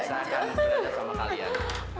bisa kan berada sama kalian